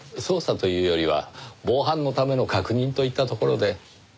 捜査というよりは防犯のための確認といったところで。